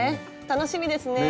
楽しみですね。ね。